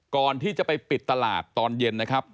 ก่อนที่จะไปปิดตลาดตอนเย็นนะครับ